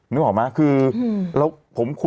นึกออกไหม